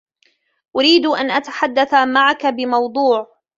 أريد أن أتحدث معك بموضوع